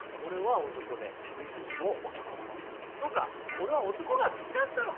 そっか俺は男が好きだったのか。